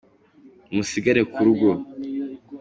Musigare kurugo.